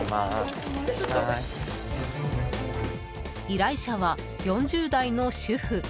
依頼者は、４０代の主婦。